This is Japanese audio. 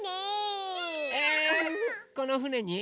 このふねに？